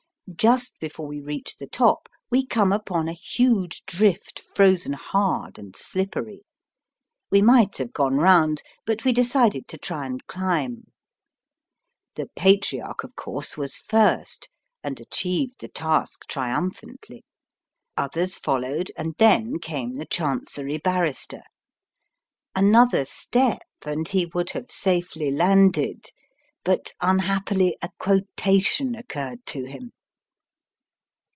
Just before we reach the top we come upon a huge drift frozen hard and slippery. We might have gone round, but we decided to try and climb. The Patriarch of course was first, and achieved the task triumphantly. Others followed, and then came the Chancery Barrister. Another step, and he would have safely landed. But unhappily a quotation occurred to him.